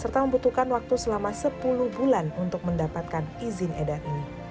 serta membutuhkan waktu selama sepuluh bulan untuk mendapatkan izin edar